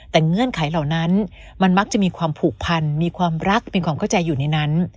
แต่เงื่อนไขเหล่านั้นมันมักจะมีความผูกพันมีความรักเป็นความเข้าใจอยู่ในนั้น